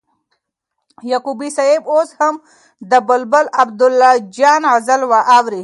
یعقوبی صاحب اوس هم د بلبل عبیدالله جان غزلي اوري